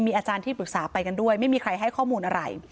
อาจารย์ที่ปรึกษาไปกันด้วยไม่มีใครให้ข้อมูลอะไร